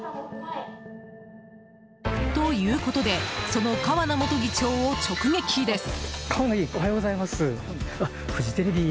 ということでその川名元議長を直撃です。